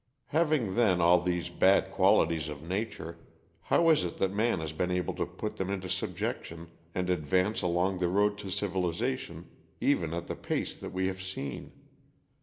Having then all these bad qualities of nature, how is it that man has been able to put them into subjection and advance along the road to civilisation even at the pace that we have seen?